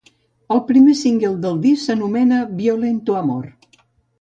El primer single del disc s'anomena Violento Amor.